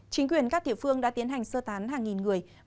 chính quyền các địa phương đã tiến hành sơ tán hàng nghìn người